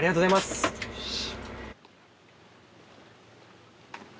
よし。